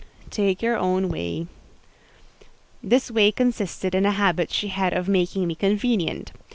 "Take your own way." This way consisted in a habit she had of making me convenient.